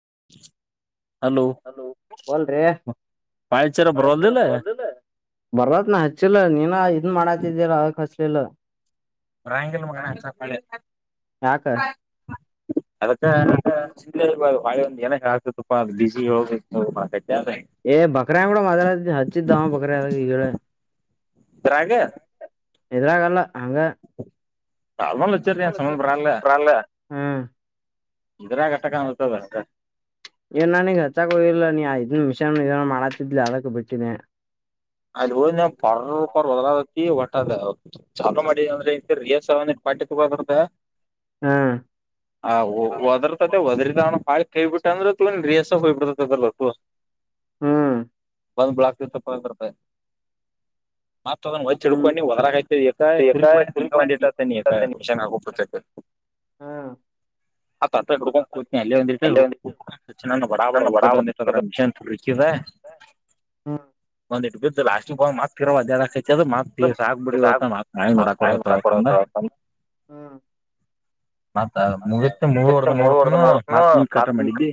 [unintelligible] Hello ಬೊಲ್ ರೆ ಪಾಳಚರ ಬಾಯ್ ಹಚ್ಚಿದರ ಬರೋದಿಲ್ಲ ಬರವಾಲ್ದ ಇಲ್ಲ ಬರ್ತತಿ ನ ಹಚ್ಚಿಲ್ಲ ನೀನ ಇದ [unintelligible] ಮಾಡಾತಿದ್ದಲ ತಿಲ್ಲ ಬಾಯಂಗಿಲ್ ಮಗನ ಸಪಳೆ ಯಾಕ ಅದಕ್ಕಬಾರದುಳೆ ಒಂದು ನ ಹಾಕತಪ್ಪಾ ಅ ಬಿಸಿ ಹೋಗ [unintelligible] ಏ ಬಕ್ರ ಕೂಡ ಮಾತಾಡಕತ್ತಿದೆ ಹಚ್ಚಿದ್ದಾವ ಬಕ್ರ ಹೇಳು ರಾಗ ಇದರಾಗಲ್ಲ ಹಂಗ ನಾರ್ಮಲ್ ಹಚ್ಚರಿ ಏನ್ ಅವಳ ಸಂಬಂಧ ಬರಲ್ಲ ಸರಿನ್್ರಲ್ಲ್ಮ [unintelligible] ಇದ್ರಾಗಟ್ಟಕಾಣತದ ಅಷ್ಟ. ಹಚ್ಚಕ್ ಹೋಗಿಲ ನೀ ಆ ಇದನ್ ಮಿಷನಿ ಏನ ಮಾಡತಿದ್ಲಿ ಅದಕ್ಕೆ ಬಿಟ್ಟಿನೆ. ಅಲ್ಲಿ ಹೋದಮ್ಯಾಗ ಪರ ಪರ ವದರತ್ತತಿ. ಒಟ್ಟ ಅದ ಚಾಲು ಮಾಡಿದ ಅಂದ್ರೆ ರಿಯಸ ಪಾಟಿಕ್ ಬಂದಾತ ಹ್ಮ್ ಹಾ ಒ ಓದರತತಿ ಒದರಿ ಬಾಳ ಕೈಬಿಟ್ಟ ಅಂದ್ರೆ ಒಂದ ರೇಸ್ ಹೋಗಿ ಬಿಡ್ತತ ಅದರದ ಅದು. ಹ್ಮ್ ಒಂದ್ ಬ್ಲಾಕ್ ಗೆ ಇಪ್ಪತನಾಕ್ ರುಪಾಯಿ. ಮತ್ತ್ ಅದ್ ಒದ್ ಹ್ಮ್ ಹ್ಮ್ ತಿಳಡ್ಕೊಂಡು ಹೊರಗ್ ಹಾಕಿ ಆಯತ ಸುರಿಗ ಹಂಗ ಒಂದ ಇತಿಷ [unintelligible] [unintelligible] ಆ ಹುಡ್ಕೊಂಡು ಕೂತನಿ ಅಲ್ಲಿಂದಿ ಹ ಅಲ್ಲೇ ಒಂದ ಬಡಾ ಬಡ ನನ್ನ ಹೋಗಿದಂದಿದ ಬಡ ಮಿಷನ್ [unintelligible] ಹ್ಮ್ ಒಂದಟ್ಟ ಬ [unintelligible] ರಾಜಕುಮಾರ್ [unintelligible] [unintelligible] ಮತ್ ಮುಗಿತ್ ಮುಗಿವರ್ದ [unintelligible] ನೋಡ್ತನು ನೋಡತೂ ಮತ್ ನೀ ಕಟ ಮಾಡಿದ್ದಿ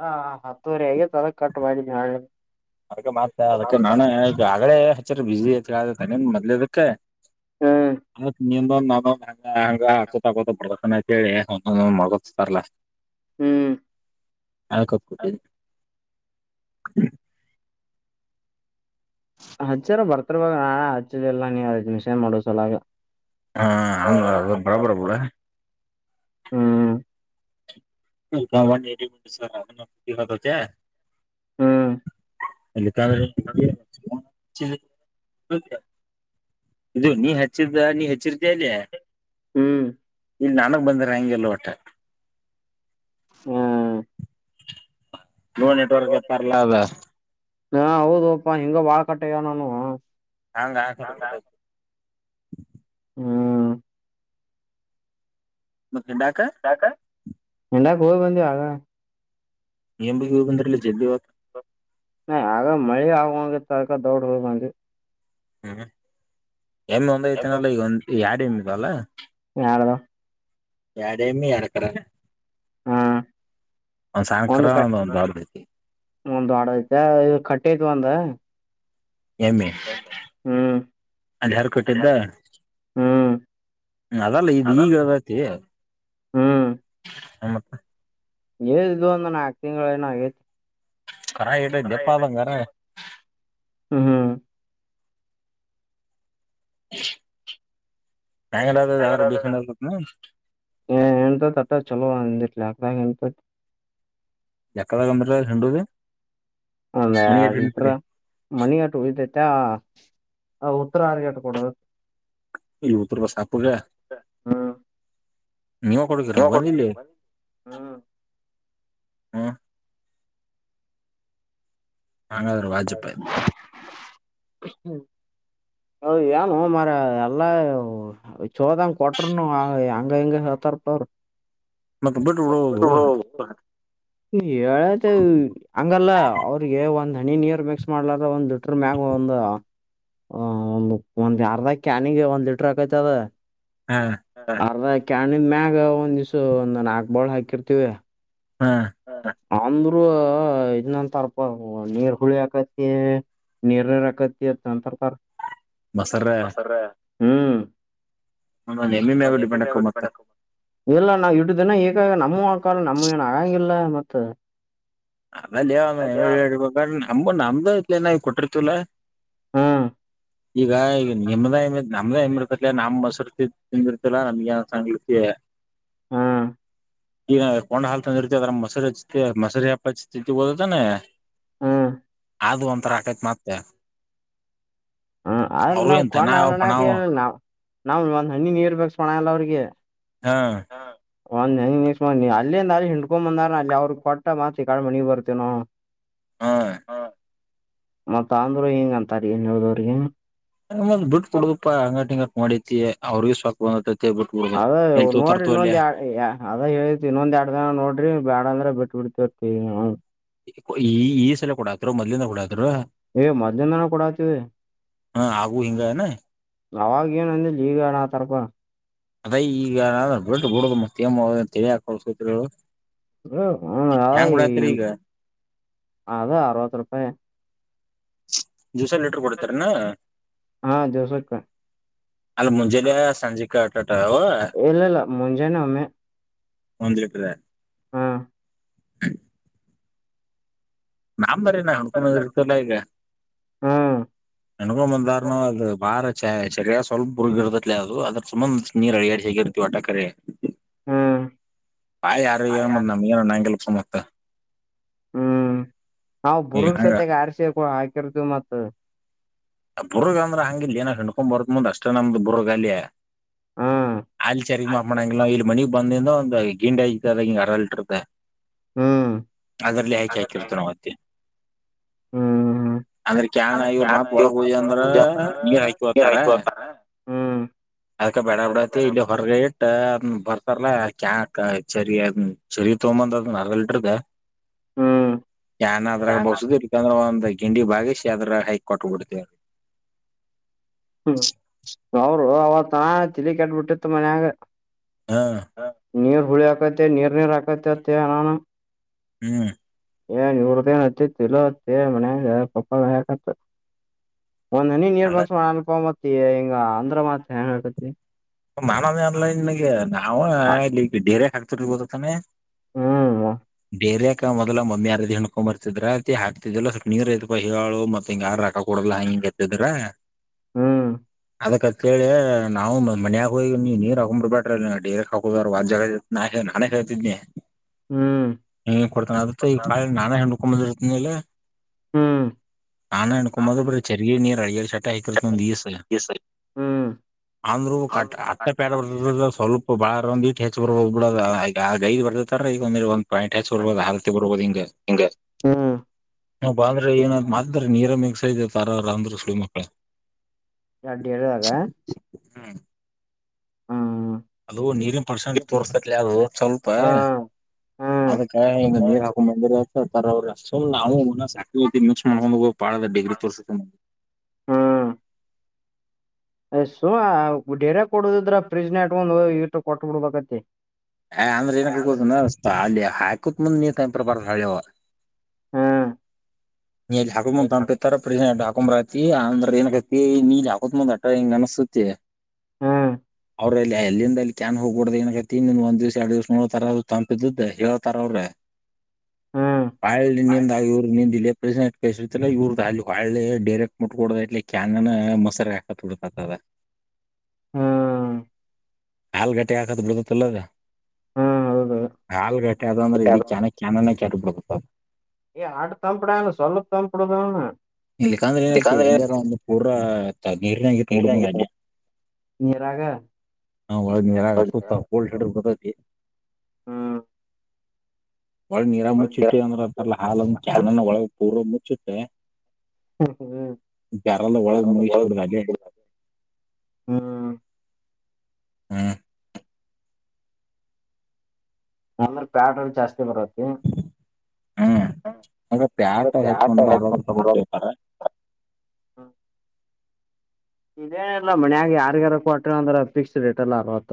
ಹಾ ಹತ್ತುವರೆ ಆಗೈತ್ತೆ ಅದಕ್ ಕಟ್ ಮಾಡಿದಿನಿ ಅಲ್ ಅದಕ್ಕೆ ಮತ್ತ ಅದಕ್ಕೆ ನಾನು ಹೇಳ್ದೆ ಆಗ್ಳೇ ಹಚ್ಚರಿ ಬಿಸಿ ಐತ್ ತಾನೇನ್ ಮದ್ಲದಕ್ಕೆ. ಹ್ಮ್ ಅ ನಿಿಯಿಂದ ನಾನ ಹಂಗ ಹಂಗ ಹಸತಕ ಪ್ರದರ್ಶನ ಆ [unintelligible] ಹೇಳಿ ಒಂದೊ ಮಳಗ್ಸಾರಲ್ಲ. ಹ್ಮ್ ಅಕಟ್ಟ. ಹಚ್ಚಾರ ಬರ್ತರ್ವ ನಾ ಹಚ್ಚಿದ ಎಲ್ಲ ನೀಯತ ಮಿಷನ್ ಮಾಡೋ ಸೊಲಾಗ. ಹಾ ಅ ಅ ಬರಬರಬುಡ. ಹ್ಮ. ಗ ಎ ಹ್ಮ್ ಕ [unintelligible] ಇದು ನೀ ಹಚ್ಚಿದ ನೀ ಹೆಚ್ಚಿರ್ತೀಯಾ ಅಲ್ಲಿ. ಹ್ಮ್ ಹ್ಮ್ ಇಲ್ಲಿ ನನಗ್ ಬಂದಾರ ಹಂಗೆಲ್ಲ ಹೊಟ್ಟೆ. ಹ್ಮ್. ನೋ ನೆಟ್ವರ್ಕ್ ಎತ್ತಾರಲ್ಲ ಅದ. ಹಾ ಹೌದುಪ್ಪಾ ಹೆಂಗೋ ಬಾಳ ಕಟ್ಟ ಆಗವೇ ನನ್ನವು. ಹಂಗ ಹಲ್ಡ್ತ. ಹ್ಮ. ಮತ್ತ್ ಉಂಡಾಕ. ಉಣ್ಣಕ್ಕೆ ಹೋಗಿ ಬಂದೇ ಆಗಲೇ. ಏನ್ ಬಗಿ ಹೋಗ ಬಂದ್ರಲ್ಲ ಜಲ್ದಿ ಇವತ್ತು ನ ಆಗ ಮಳೆ ಆಗೋಗತ್ಕ ದೊಡ್ ಹೋಗಾಂದ್ರಿ. ಹ್ಮ್ ಎಮ್ಮ ಒಂದೈತನಲ್ಲ ಈಗ ಎಡ ಎಮ್ಮೆ ಇದಾವನಲ್ ಯಾರದಾ ಎಡ ಎಮ್ಮಿ ಎಡ ಕರ ಹ್ಮ ಒಂದ್ ಸಾಣ್ ಕರ ಒಂದ ಒಂದ್ ದೊಡ್ಡದ ಐತಿ ಒಂದು ದೊಡ್ಡದ ಐತೆ ಇದು ಕಟ್ಟಿಐತ್ ಒಂದ ಎಮ್ಮೆ ಹ್ಮ್ ಅದ ಯಾರ್ ಕಟ್ಟಿದ್ದ ಹ್ಮ್ ಅದಲ್ಲ ಇದು ಈಗ ಇಲದತಿ ಹ್ಮ್ ಹ ಮತ್ತ ಏಳು ಇದು ಒಂದು ನಾಲ್ಕು ತಿಂಗಳ ಏನ ಆಗೈತಿ ಕರ ಇಡ ದೆಪ್ಪ ಆದಂಗಾರ ಹ್ಮ ಹ್ಮ್ [inaudible] ಹ್ಯಾಂಗಲ ಯಾವ್ರ ಬೇಕಂಡ ಏಂತ ತಟ್ಟ ಚಲೋಂದ ಇಟ್ಲ ಅಕದ ಎಂಂತ ಎಕ್ಕದ ಗ ಮರ ಹೆಡೂದ ಒಂದ್ ಎರಡ್ ಲಿಟ್ರ ಮನಿ ಆಟ ಉಳಿದೈತ ಹ ಉತ್ತರ ಅರ್ಗೆಟ್ ಕೊಡೋ [unintelligible] ಸಾಪ್ಪುಗ ಹ್ಮ್ ನೀವ ಕೊಡುಕರನು ಬಂದಲ್ಲಿ ಹ್ಮ ಅಂಗಾದರ ವಾಜಪಾಯಿ [inaudible] ಹೌದ ಏನು ಮರ ಎಲ್ಲ ಚೋದಂಗ ಕೊಟರುನು ಹಂಗ ಹಿಂಗ ಹೇತಾರ [unintelligible] ಮತ್ತೆ ಬಿಡ್ ಹೋಗುವ ಹೇಳತೆೇ ಹಂಗಲ್ಲ ಅವ್ರಿಗೆ ಒಂದ್ ಹಣಿ ನೀರು ಮಿಕ್ಸ್ ಮಾಡ್ಲಾರ ಒಂದು ದುಡ್ ಮಗಂದ ಹ ಒ ಒಂದ್ ಯಾರದಾಗ ಕ್ಯಾನಿಗೆ ಒಂದ್ ಲೀಟ್ರ ಆಕೈತ ಅದ ಹಾ ಅರ್ಧಕಣ ಮ್ಯಾಗ ಒಂದ್ ದ್ ಒಂದ್ ನಾಕ್ ಬಾಳ್ ಹಾಕಿರ್ತಿವಿ ಹಾ ಅಂದ್ರೂ ಇದನಂತರ್ಪ ನೀರ್ ಹುಳಿ ಆಕತ್ ನಿರ್ನಯರಾಕತ ನಂತರ ಪ ಮಸರ ಹಾಂ ಹ ಹೆಮ್ಮಿ ಮ್ಯಾಗ ಡಿಪೆಂಡ್ ಹಕ ಮತ್ತ ಇಲ್ಲ ನಾವು ಇಟ್ಟನ ಈಗಾಗ ನಮ್ಮೂ ಆಕಲ್ಲ ನಮ್ಮ ಏನ್ ಆಗಂಗಿಲ್ಲ ಮತ್ತ ಅದಲ್ಲಿವ ನಮ ನಮ್ದು ಇಲನಾವ ಕೊಟ್ಟಿರ್ತಿಲ್ಲ ಹ್ಮ್ ಈಗ ಈಗ ನಿಮ್ದ ಹೆ ನಮ್ದ ಹೆಮಿರ್ತತ್ಲ ನಮ್ಮ್ ಮಸರ್ತಿ ತಿಂದಿರ್ ಲ್ಲ ನಮಗೆ ಸಾಂಗಕ್ಕೆ ಹ್ಮ್ ಈಗ ಕೊನಾ ಹಾಲ್ ತಂದ ಇರ್ತಿ ಅದ್ರ ಮೊರಿ ಹಚ್ ಮಸರಿ ಹಪ್ಪಚ್ತತಿ ಓದದಾನೆ ಹ್ಮ್ ಆದದು ಒಂತರ ಆಕೈತ್ ಮತ್ತೆ ಹ್ಮ ಅದ ಅವರು ನಾವ್ ಏನ್ ದನ ಕೊನಾ ಹರಣಕ ಪಣಾವ್ ನಾವ ನಾವ್ ಒಂದ್ ಹಣ್ಣಿ ನೀರ್ ಬೇಕಕ್ ಸೋಣ ಎಲ್ಲ ಅವ್ರಿಗೆ ಹಾ ಒಂದ್ ನನ್ ನಿಸ್ನೀ ಅಲ್ಲಿಂದ ಅಲ್ಲಿ ಹಿಂಡ್ಕೊ ಬಂದಾರ ಅಲ್ಲಿ ಅವ್ರಗ್ ಕೊಟ್ಟ ಮಾತ್ ಕಳ ಮನಿಗ್ ಬರ್ತೇನೋ [inaudible] ಹ ಮತ್ತ ಆಂಧ್ರ ಹೆಗ ಅಂತಾರ ಏನ್ ಹೇಳ್ದವ್ರಿಗೆ ನಂದ್ ಬಿಟ್ಟ ಕು ಕೊಡುದಪ್ಪಾ ಅಂಗಡಿ ಹಿಂಗಟ್ಟ ಮಾಡಿತಿ ಅವ್ರಗ ಸಾಕ್ ಬಂದ್ತಿ ಅದ ನೋಡ್ರಿ ಇನ್ನೊಂದ್ ಎ ಅದ ಹೇಳು ಇನ್ನೊಂದ್ ಎರಡ್ ದಿನ ನೋಡ್ರಿ ಬ್ಯಾಡ ಅಂದ್ರ ಬಿಟ್ಟ ಹ ಹ ಈ ಈ ಸಲ ಕೊಡತ್ರು ಮೊದ್ಲಿಂದ ಕೊಡಾದರು ಏ ಮಧ್ಯಾಹ್ನನ ಕೂಡ ಆತವಿ ಹಾ ಆಗು ಹಿಂಗನೆ ಅವಾವಾಗ ಏನ ಅಂದ್ರೆ ಲೀಗಡ ಆ ತರ್ಪ ಅದೇ ಈಗ ಬಿಟ್ಟು ಬಿಡುದು ಮತ್ತಮ ತಿಳಿ ಹಾಕಳ ಸೂತ್ರಗಳು ಹ ಹ ಅ ಅಾ ಅರವತ್ತು ರೂಪಾಯಿ ದಿವಸ ಲೀಟರ್ ಕೊಡ್ತಾರನಾ ಹಾ ದಿವ್ಸಕ್ಕ ಅಲ್ಲ ಮುಂಜಾಲಯ ಸಂಜೆ ಕಾಟ್ ಇಲ್ಲಲ್ಲ ಮುಂಜಾನೆಒಮ್ಮೆ ಒಂದಿದ್ರೆ ಹಾ [inaudible] ನಾನ್ ಬರೀ ನ ಹಾ ಹುಡ್ಕೊತಲ್ಲ ಈಗ ಹ್ಮ್ ನನಗೂ ಮಂದರ್ನು ಭಾರ [unintelligible] ಸ್ವಲ್ಪ ಆದ್ರ ಸಂಬಂಧ ನೀರು [unintelligible] [unintelligible] ಆಟಾಕರಿ ಹ್ಮ್ ಬಾಯ ಯಾರು ಏನ ಮ ನಮ್ ಏನ ನಂಗೆ ಮತ್ತ [unintelligible] ನಾವವು ಈಗ ಬುರ್ಗ್ ಹಂಗ ಸತೆಗ್ ಆರ್ಸಿ ಹಾಕಿರ್ತಿವಿ ಮತ್ ಬುರ್ಗ್ ಅಂದ್ರ ಹಂಗಿಲ್ಲ ಏನ ಹಣ್ಕೊಂಡ್ ಬರತ್ ಮುಂದ್ ಅಷ್ಟೇ ನಮ್ದು ಬುರ್ಗ ಅಲ್ಲಿ ಹ್ಮ್ ಅಲ್ ಚರಿಗ ಹ್ಮ್ ಮಾಪಣಂಗಲ್ಲ ಇಲ್ ಮನಿ ಬಂದಿಂದ ಒಂದು ಗಿಂಡಿ ಹತದಾಗ ಹಿಂಗಗೆ ಅರಲ್ಟ್ಟಿರ್ತ ಹ್ಮ್ ಅದ್ರಲ್ಲಿ ಹಾಕೆ ಹಾಕಿರ್ತ ನಾವ್ತ್ತೆ ಹ್ಮ್ ಅಂದ್ರೆ ಕಾನ ಇವ್ರ ಮಾ ಒಳ ಉಯ್ಯು ಅಂದ್ರ ನೀರ್ ಹಾಕಿ ಹೋತಾರ ಅದ್ಕ ಬೇಡ ಬಿಡತಿ ಇಲ್ಲಿ ಹೊರಗ ಇಟ್ಟ ಬರ್ ಚಾಕಾ ಚರಿ ಚರಿ ತಗೊಂದದ ಅರ್ದ ಲಿಟರ್ದ ಅದ್ರಾಗ ಬೋಸದ ಇಕಂದ್ರೆ ಒಂದ ಗಿಂಡಿ ಬಾಗೇಶಿ ಅದ್ರ ಹೈಕ್ ಕೊಟ್ಟಬಡ್ತೇವಿ ಅವರು ಅವತ್ತನ ತಲಿ ಕೆಟ್ಬಿಟ್ಟಿತ್ತು ಮನ್ಯಾಗ ಹಾ ನೀರ ಹುಳಿ ಹಾಕತೆ ನೀರ್ ನೀರು ಹಾಕತ ಅನಾನ ಹ್ಮ್ ಏನ್ ಇವ್ರ್ದೆನ್ [unintelligible] ಮನ್ಯಾಗ ಒಂದ್ನ ನೀರ್ ಅದ ಬಾಕ್ಸ್ ಮಾಡಪ ಮತ್ ಹಿಂಗ ಅಂದ್ರ ಮತ್ ಹೆಂಗ ಹಾಕತಿ ಮಾನನೇ ಅನ್ಲ್ಲ ನಿನ್ಗೆ ನಾವವು ಇಲ್ಲಿ ಡೇರೆ ಹಾಕ್ತರಿಬದತಾನೆ ಹ್ಮ್ ಏರಿಯಕ ಮೊದಲ ಮಮ್ಮಿಾರ ಹಣಕೊಂಡ್ಂಬರ್ತಿದ್ರ ಅ ಹಾತಿದಲ್ಲ ಸ್ವಲ್ಪ ನೀರ್ ಇಡ್ಕೊ ಹೇಳು ಮತ್ತಿ ಹಿಂಗ ಯಾರ ರೊಕ್ಕ ಕೊಡ ಎಲ್ಲಾ ಹಿಂಗೆ ಎತ್ತಿದ್ರ ಹ್ಮ್ ಅದಕ್ಕ ಕೆಳಿ ನಾವು ಮ ಮನ್ಯಾಗ ಹೋಗಿ ನೀರ್ ಹಾಕ್ ಬಿಡ್ಬಟ್ರಡೇಕ್ ಹಕೋದ ವಜ್ಜ ನಾ ನಾನ ಹೇಳ್ತಿದನಿ ಹ್ಮ್ ಹ ಕೊಡ್ತಾನ ಅದ ಈ ಕಾ ನಾನಾ ಹೆಂಡಕೊದಿರತ್ತ ಮೇಲೆ ಹ್ಮ್ ನಾನ ಹಣ್ಕೊದು ಬ್ರ ಚರ್ಗಿ ನೀರ್ ಅಳಿಯ ಶಟ್ಟ ಹಕರ್ತ್ತ ಒಂದ್ ದಿವಸ ಅಂದ್ರರು ಕ ಅಟ್ಟ ಪೇಡ ಬರ್ತ ಸ್ವಲ್ಪ ಬಾಳ ಒಂದಟ್ ಹೆಚ್ಚ ಬ ಬಿಡದ ಈಗ ಗೈದ ಬರ್ದತ ಈಗಂದಿ ಪೇಂಟ್ ಹಚ್ಚಿ ಬರ್ಬೋದು ಹತಿ ಬರ್ಬೋದು ಹಿಂಗ ಹ್ಮ್ ನ ಬಾಂದ್ರೆ ಏನ್ ನೀರ ಮಿಕ್ಸ್ ಇದ ತಾರರ ಅಂದ್ರ [unintelligible] ಹೆಡ್ ಹೇಳರೆ ಅದು ನೀರಿನ ಪರ್ಶನ್ ತೋರ್ಸ್ತತ್ಲಿ ಅದು ಸ್ವಲ್ಪ ಹಾ ಹ್ಮ್ ಅದಕ್ಕ ನೀರ್ ಹಾಕೊಂಡ್ ಬಂದಿರರ ಅವ್ರರು ಸು್ ನಾವು ಮನ ಸಾಕಿ್ವಿ ಮಿಕ್ಸ್ ಮಾಡಕೊಂಡು ಭಾಳ ಅಂದ್ರ ಡಿಗ್ರಿ ತೋರ್ಸ್ತೀನಿ. ಏ ಸುಮ ಡೇರ್ಯಾಗ್ ಕೊಡುದಿದ್ರ ಫ್ರಿಜ್ ನಾಗ್ ಇಟ್ಕೊಂಡ್ ಹೋಗಿ ಇಟ್ಟ ಕೊಟ್ಟ ಬಿಡೋದ್ ಆಗತೈತಿ. ಹೇ ಅಂದ್ರ ಏನ ಆಕ್ಕೆತ್ ಗೊತ್ತೆನ್ ಸ್ಥ ಅಲ್ಲಿ ಹಾಕೂತ ಮುಂದ್ ನೀರ್ ಕಂಡಿರಬಾರ್ದ ಹೊಳ್ಳಿ ಅವ. ಹ್ಮ ನೀ ಅಲ್ಲಿ ಹಾಕೋಮುಂದ ತಂಪ ಇತ್ತ ಅಂದ್ರ ಫ್ರಿಡ್ಜ್ನಾಗ್ ಅಷ್ಟ ಹಾಕೊಂಡ್ ಅಂದ್ರೆ ಏನಕತ್ತ ನೀಲಿ ಹಾಕೋತ್ ಮುಂದ್ ಅಟ್ಟ ಹಿಂಗ್ ಅನಸುತ್ತೇ ಹ್ಮ್ ಅವ್ರ ಇ ಎಲ್ಲಿಂದ ಅಲ್ಲಿ ಕ್ಯಾನ್ ಹೋಗ್ಬಡ ನಕ ಹತ್ತತಿಂದ್ ದಿವಸ ಎಡು ದ್ಸ ನೋತಾರ ತಂಪಿದದು ಹೇಳ್ತಾರ ಅವ್ರೆ ಹ್ಮ್ ಪಾಯಲ್ಲಿ ನಂದಾಗಿ ಇವರು ನಂದಿಲ್ಲ ಕ ಇವ್ರದ ಅಲ್ಲಿ ಒಳ್ಳೆ ಡರೆಕ್ಟ್ ಮುಟ್ಕಡ ಇಲಿ ಕ್ಯಾಂಗ ಮೊಸರ ಹಾಕತ್ಡದ ಹ್ಮ್ ನಲ್ಗಟೇ ಹಕತಾ ಬಿಡ್ತಾದ ಇಲ್ಲ ಅದು ಹೌದು ಹಾಲ್ಗಟ್ಟೆ ಅದು ಅಂದ್ರೆ ಇಡೀ ಕಾನ ಕಾನನ ಕೆರ್ಬತ್ತ ಅದು ಏ್ ಆಡ್ ತಂಪಡ ಸಲ್ಲ ತಂಪುಡ ಅವ್ನು ಇಲ್ಲಿಕಂದ್ರೆ ಏನೈತಿ ಎಲ್ಲಾರ ಒಂದು ಪೂಡ್ರ ನೀರಿನಗಿತ್ತು ಬಿಡ ನೀರ್ನಾಗ ಇಟ್ಟ ಅಲ್ಲಿಯ ನೀರಾಗ ನಾ ಒಳ ನೀರಾಗ ಹಕ್ಕೊತ್ತ ಕೋಲ್ಡ್ [unintelligible] ಬತ್ತತ್ತಿ [inaudible] ಹ್ಮ್ ಒಳಗ್ ನೀರಾಗ ಮುಚ್ಚಿಟ್ಟೆ ಅಂದ್ರ ಅಂತಾರಲಾ ಹಾಲನ್ನ ಕ್ಯಾನನ್ ಒಳಗ ಪೂರಾ ಮುಚ್ಚಿಟ್ಟಿ ಹ್ಮ್ ಹ್ಮ್ ಬ್ಯಾರೆಲ್ಲದಾಗ್ ಒಳಗ ಮುಳುಗಿಸಬಿಡೋದ ಅಲ್ಲೇ. [unintelligible] ಹ್ಮ ಅಂದ್ರ ಫ್ಯಾಟ್ ಅಲ್ಲಿ ಜಾಸ್ತಿ ಬರ್ತೈತಿ. ಹ್ಮ್ ಹಂ ಅದ ಪ್ಯಾಟ ಫ್ಯಾಟ್ ಹಚ್ಕೊಂಡ್ರ ಹೆಚ್ಚ್ ಅರಾಮ್ ತಗೊಡ್ತಿರ್ತಾರ [unintelligible] ಹ [inaudible] ಇದೇನ ಇಲ್ಲ ಮನ್ಯಾಗ ಯಾರಿಗರಾ ಕೊಟ್ರ ಅಂದ್ರ ಫಿಕ್ಸ್ಡ್ ರೇಟ್ ಲಾ ಆರ್ವತ್ತ.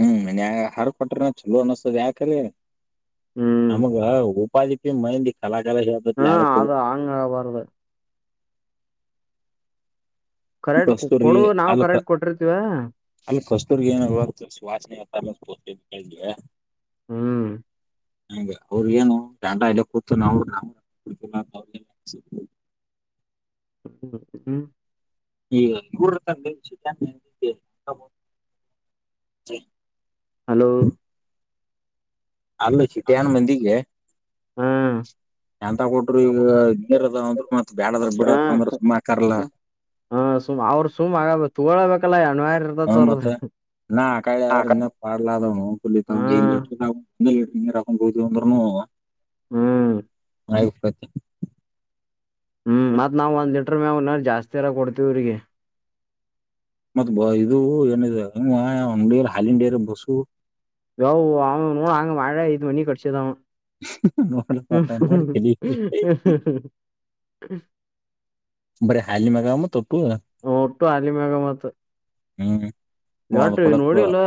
ಹ್ಮ ಮನ್ಯಾಗ ಹರದ ಕೊಟ್ರನ ಚಲೋ ಅನಸ್ತದ್ ಯಾಕ್ ಅಲೆ ಹ್ಮ್ ನಮಗ ಉಪ್ಪಾದಿಪಿ ಮಂದಿ ಕಲಾಕಲ ಹೇಳ್ತದ ಹಾ ಅದಕ್ಕ ಅದ ಹಂಗ ಆಗಬಾರ್ದು ಕರೆಕ್ಟ್ ಕಸ್ತೂರಿ ಕೊಡು ನಾವು ಅಲ್ಲಕ್ ಕರೆಕ್ಟ್ ಕೊಟ್ಟಿರ್ತೀವ ಅಲ್ಲ ಕಸ್ತೂರ್ಗೆ ಏನ ಗೊತ್ತ್ ಸುವಾಸನೆ [unintelligible] ಹ್ಮ್ ಹ ಅವ್ರಿಗ ಏನು [unintelligible] ಇಲ್ಲ ಕೂತು ನಾವನು [unintelligible] [unintelligible] ಹ್ಮ ಹ್ಮ್ ಹ್ಮ್ ಹ್ಮ್ [unintelligible] ಹಲೋ ಅಲ್ಲ ಸಿಟ್ಯಾನ್ ಮಂದಿಗೆ ಹಾ ಎಂತ ಕೊಟ್ಟರು ಈಗ [unintelligible] ಅದಾವ ಅಂದ್ರು ಮತ್ ಬ್ಯಾಡದ್ರ ಬಿಡ ಹಾ ಅಂತ್ ಅಂದ್ರ ಸುಮ್ಮ ಅಕ್ಕಾರ್ ಅಲಾ. ಹಾ ಸುಮ್ ಅವ್ರು ಸುಮ್ ಆಗ್ ತೊಗೊಳಬೇಕ್ ಯಾ ಹ ಮತ್ತ ನಾ ಆಕಳಿ ಹಾ ಆದ್ರ ಇನ್ನ ಪಾಡ್ಲ ಮತ್ತ್ [unintelligible] ಹ್ಮ್ ಇನ್ನ ಈಟ್ ನೀರ್ ಹಾಕೊಂಡ್ ಹೋದ್ವಿ ಅಂದ್ರೂನು ಹ್ಮ್ ಆಗಿ ಹೊಕ್ಕೇತಿ. ಹ್ಮ್ ಮತ್ತ ನಾವ ಒಂದ ಲೀಟರ್ ಮ್ಯಾಲ ಅವ್ನ ಜಾಸ್ತಿ ಅರ ಕೊಡ್ತಿವಿ ಅವ್ರಿಗಿ. ಮತ್ ಬ ಇದೂ ಏನ ಇದ ಹೂಂ ಯಾ ಅಂಗಡಿಯಲ್ಲಿ ಹಾಲಿನ್ ಡೈರಿ ಬಸ್ಸು ಯವ್ವಾ [unintelligible] ಹಂಗ್ ಮಾಡೆ ಇಟ್ಟ ಮನಿ ಕಟ್ಟಸಿದ ಅವ. ನೋಡ್ಲಕ್ ಹ್ಮ್ ಮತ್ತ ಹ್ಮ ನೋಡಿ ತಲಿ ಹ್ಮ ಹ್ಮ ಹ್ಮ ಬರೆ ಹಾಲಿನ ಮ್ಯಾಗ ಮತ್ತ್ ಹ ಒಟ್ಟು ಹಾಲಿನ ಮ್ಯಾಗ ಮತ್ ಎಟ್ಟ ನೋಡಿಇಲ್ಲೋ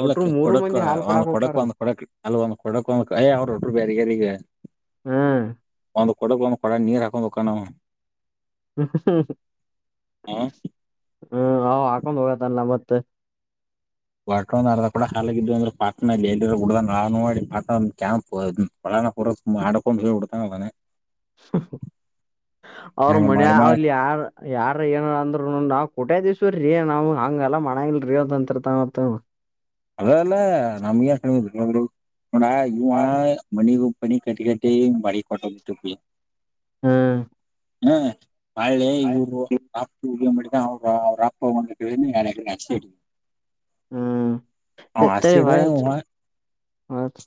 ಅಲ್ಲಕ ಕೊಡಕ್ ಒಂದ್ ಕೊಡಕ್ ಒಂದ್ ಕೊಡಕ್ ಅಲ್ ಒಂದ್ ಕೊಡಕ್ ಒಂದ ಅಯ್ಯ ಅವ್ರ ಒಟ್ಟು ಬ್ಯಾರೆ ಆಗ್ಯಾರ್ ಈಗ. ಹ್ಮ್ ಒಂದು ಕೊಡಕ್ ಒಂದು ಕೊಡ ನೀರ್ ಹಾಕೊಂಡ ಹೊಕ್ಕನ್ ಅವ. ಹ್ಮ್ ಹ್ಮ್ ಅವ ಹಾಕೊಂಡ್ ಹೋಗತಾನ್ಲಾ ಮತ್ತ ತ್ತ ವಾ್ರ ಒಂದ ಅರ್ ಕೂ ಹಾಲಾಗಿದ್ವಿ ಅ್ರೆ ಪಾತ್ರ ಹಡ್ದ ನಾ ನೋಡಿ ಪಾ ಕ್ಯಾಂಪ್ ಪುರ ಮಾಡಕೊಂಡ್ ಹಿಡ್ತಾನದಾನ ಹ್ಮ್ ಹ್ಮ್ ಅವ್ರ ಹಂಗ ಮನ್ಯಾ ಮಾಡಿ ಮಾಡಿ ಅಲ್ಲಿ ಯಾರ ಯಾರ ಏನಾರ ಅಂದ್ರ ನಾವ್ ಕೋಟ್ಯಾದೀಶ್ವರಿ ನಾವ್ ಹಂಗೆಲ್ಲ ಮಡಾಂಗಿಲ್ಲಾರಿ ಅಂತ್ ಅಂತಿರ್ತಾನ ಅಂತ ಅವ. ಅದ ಅಲ್ಲ ನಮ್ಗೇನ ಕಡಿಮ್ ಬಿದ್ದುದ ಬಿಡು ಗುರು ನೋಡ್ ಇವ ಮನಿಗ್ ಒಬ್ಬೊ ಮನಿ ಕಟ್ಟಿ ಕಟ್ಟಿ ಹಿಂಗ್ ಬಾಡಗಿ ಕೊಟ್ಟ [unintelligible] ಹ್ಮ್ ಹ ಆಳೆ ಈಗ ಇವರ ಅಪ್ಪ [unintelligible] ಏ ಅವ್ರ ಅವ್ರ ಅಪ್ಪ ಒಂದ ಕಡೆ ಏನ್ ಯಾಡ್ ಕಡೆ [unintelligible] ಹ್ಮ್ ಏ ತಡಿ ಹೊಳ್ಳಿ ಇವ ಹಚ್ಚ ಹೊಳ್ಳಿ ಹಚ್ಚ